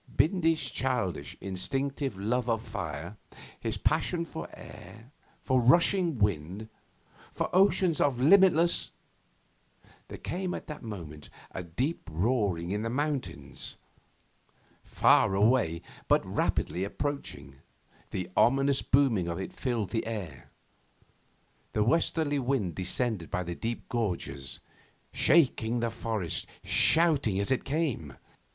Bindy's childish, instinctive love of fire, his passion for air, for rushing wind, for oceans of limitless There came at that moment a deep roaring in the mountains. Far away, but rapidly approaching, the ominous booming of it filled the air. The westerly wind descended by the deep gorges, shaking the forests, shouting as it came.